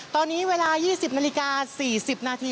ตอนนี้เวลา๒๐นาฬิกา๔๐นาที